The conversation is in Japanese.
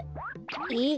えっ？